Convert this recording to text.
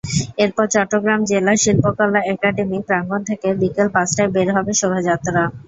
এরপর চট্টগ্রাম জেলা শিল্পকলা একাডেমী প্রাঙ্গণ থেকে বিকেল পাঁচটায় বের হবে শোভাযাত্রা।